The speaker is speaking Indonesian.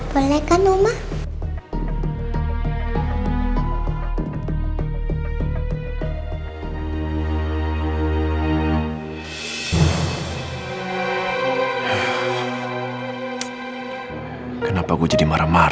boleh kan mama